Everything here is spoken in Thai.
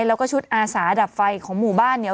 แล้วก็ชุดอาสาดับไฟของหมู่บ้านเนี่ย